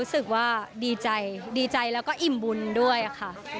รู้สึกว่าดีใจอิ่มบุญด้วยค่ะ